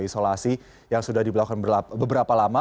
isolasi yang sudah dilakukan beberapa lama